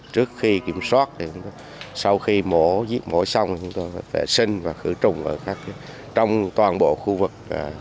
trước khi kiểm soát thì sau khi mổ giết mổ xong chúng tôi phải vệ sinh và khử trùng trong toàn bộ khu vực